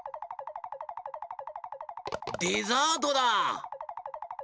デザートだ！